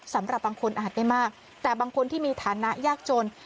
สำหรับบางคนอาจไม่มากแต่บางคนที่มีฐานะยากจน